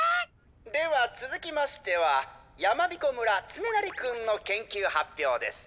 ではつづきましてはやまびこ村つねなりくんの研究発表です。